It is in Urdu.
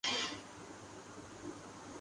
بھی یہ ظاہر کرتا ہے کہ وہ کسی ناگہانی آفت کا شکار